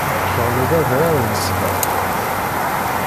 Teɣleb adrar n ṣṣber.